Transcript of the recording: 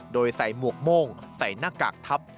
โดยใส่หมวกโม่งใส่หน้ากากทับ